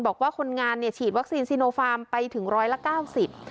บอกว่าคนงานฉีดวัคซีนซีโนฟาร์มไปถึง๑๙๐ราย